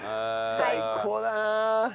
最高だな！